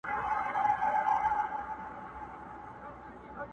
هینداره ماته که چي ځان نه وینم تا ووینم.!